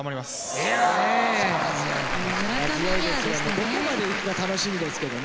どこまでいくか楽しみですけどね。